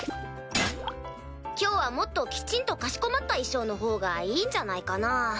今日はもっときちんとかしこまった衣装のほうがいいんじゃないかな？